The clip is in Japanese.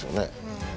うん。